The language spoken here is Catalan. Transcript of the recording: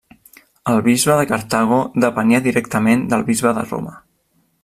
El bisbe de Cartago depenia directament del bisbe de Roma.